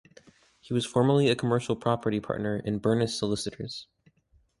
He was formerly a commercial property partner in Burness Solicitors.